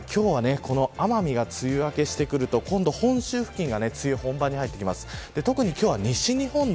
では今日は奄美が梅雨明けしてくると今度、本州付近が梅雨本番に入ってきます。